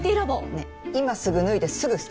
ねえ今すぐ脱いですぐ捨てて。